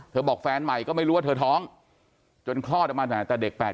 เธอบอกแฟนใหม่ก็ไม่รู้ว่าเธอท้องจนคลอดมาแต่เด็กแปด